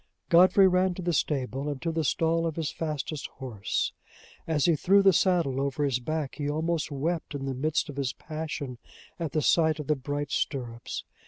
Godfrey ran to the stable, and to the stall of his fastest horse. As he threw the saddle over his back, he almost wept in the midst of his passion at the sight of the bright stirrups.